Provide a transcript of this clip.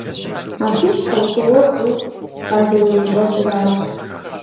Абы и щхьэусыгъуэр щӀыр къазэремэщӀэкӀыращ.